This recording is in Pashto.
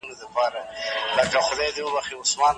څېړنه د پوهې د رڼا لاره ده.